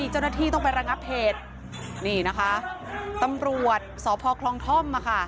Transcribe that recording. เจ้าหน้าที่ต้องไประงับเหตุนี่นะคะตำรวจสพคลองท่อม